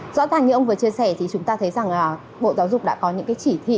rõ ràng như ông vừa chia sẻ thì chúng ta thấy rằng bộ giáo dục đã có những cái chỉ thị